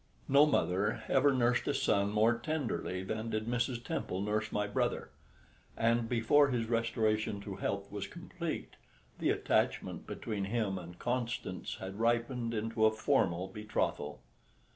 No mother ever nursed a son more tenderly than did Mrs. Temple nurse my brother, and before his restoration to health was complete the attachment between him and Constance had ripened into a formal betrothal.